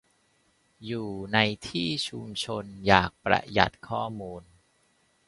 อยู่ในที่ชุมนุมชน อยากประหยัดข้อมูล